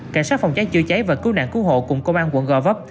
cảnh sát phòng cháy chữa cháy và cứu nạn cứu hộ cùng công an quận gò vấp